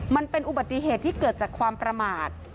มันเป็นอุบัติเหตุที่เกิดจากความประมาท